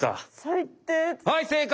はい正解！